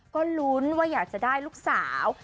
ก็ลุ้นว่าอยากจะได้ลูกสาว